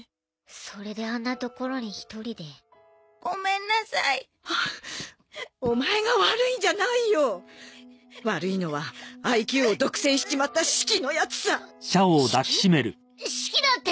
それであんな所に一人でごめんなさいお前が悪いんじゃないよ悪いのはＩＱを独占しちまったシキのヤツさシキシキだって！？